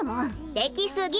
できすぎ！